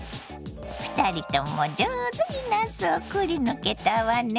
２人とも上手になすをくりぬけたわね。